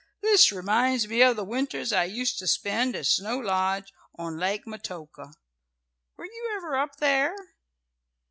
"This reminds me of the winters I used to spend at Snow Lodge on Lake Metoka. Were you ever up there?"